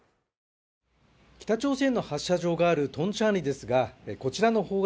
北朝鮮の発射場があるトンチャンリですがこちらの方角